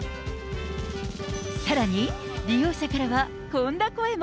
さらに、利用者からはこんな声も。